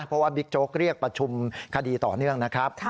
เพราะว่าบิ๊กโจ๊กเรียกประชุมคดีต่อเนื่องนะครับ